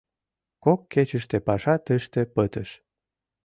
Кок кечыште паша тыште пытыш.